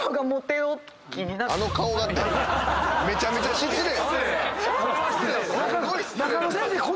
めちゃめちゃ失礼！